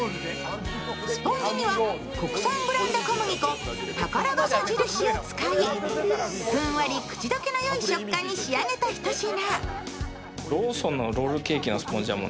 スポンジには国産ブランド小麦粉宝笠印を使い、ふんわり口溶けの良い食感に仕上げたひと品。